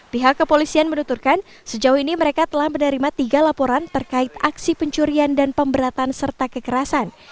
pihak kepolisian menuturkan sejauh ini mereka telah menerima tiga laporan terkait aksi pencurian dan pemberatan serta kekerasan